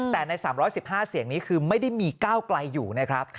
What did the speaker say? แต่ใน๓๑๕เสียงนี้คือไม่ได้มีก้าวไกลอยู่นะครับ